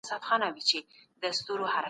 سایبر امنیت د ډیجیټلي اقتصاد ملاتړ کوي.